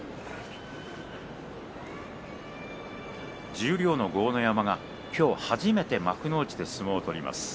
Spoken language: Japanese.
十両の豪ノ山は今日初めて幕内で相撲を取ります。